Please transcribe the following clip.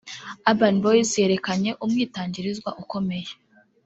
Urban Boyz yerekanye umwitangirizwa ukomeye